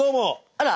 あら。